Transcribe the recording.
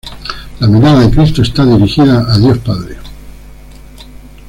La mirada de Cristo está dirigida a Dios Padre.